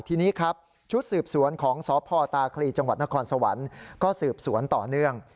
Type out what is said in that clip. ทีนี้ครับชุดสืบสวนของสพตาคลีจังหวัดนครสวรรค์ก็สืบสวนต่อเนื่อง